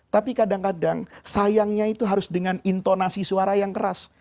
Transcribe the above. tapi kadang kadang sayangnya itu harus dengan intonasi suara yang keras